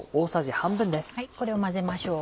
これを混ぜましょう。